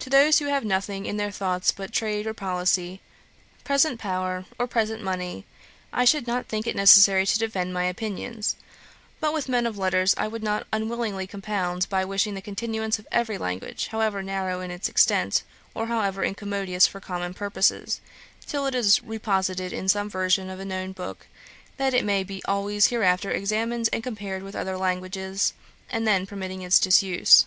To those who have nothing in their thoughts but trade or policy, present power, or present money, I should not think it necessary to defend my opinions; but with men of letters I would not unwillingly compound, by wishing the continuance of every language, however narrow in its extent, or however incommodious for common purposes, till it is reposited in some version of a known book, that it may be always hereafter examined and compared with other languages, and then permitting its disuse.